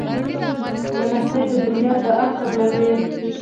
لمسی د نیا دعا قبلوي.